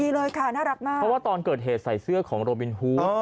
เลยค่ะน่ารักมากเพราะว่าตอนเกิดเหตุใส่เสื้อของโรบินฮู